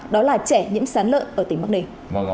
đó là trẻ nhiễm sán lợn ở tỉnh bắc ninh